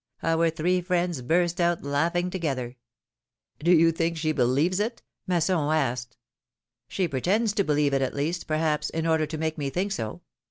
" Our three friends burst out laughing together. Do you think she believes it ?" Masson asked. She pretends to believe it, at least, perhaps in order to make me think so.